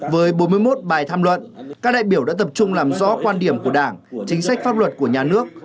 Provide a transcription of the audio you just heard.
với bốn mươi một bài tham luận các đại biểu đã tập trung làm rõ quan điểm của đảng chính sách pháp luật của nhà nước